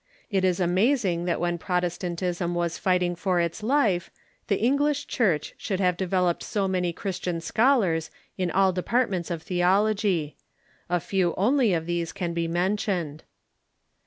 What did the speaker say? It is amazing that when Protestantism was fighting for its life, the English Church should have de veloped so many Christian scholars in all departments of the ology. A few only of these can be mentioned.